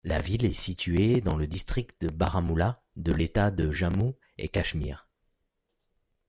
La ville est située dans le district de Baramulla de l'État du Jammu-et-Cachemire.